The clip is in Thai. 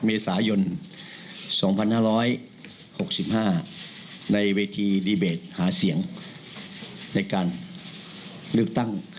เมษายนสองพันห้าร้อยหกสิบห้าในเวทีหาเสียงในการเลือกตั้ง